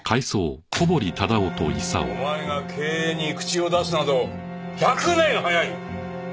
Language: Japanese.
お前が経営に口を出すなど１００年早い！